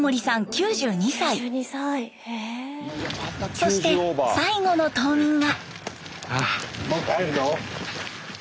そして最後の島民が。